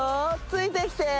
ついてきて！